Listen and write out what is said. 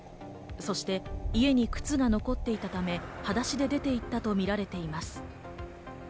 そして家に靴が残っていたため、裸足で出て行ったとみられています。